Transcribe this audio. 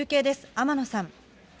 天野さん。